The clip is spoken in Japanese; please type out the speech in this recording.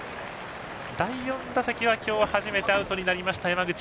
第４打席は今日初めてアウトになりました山口。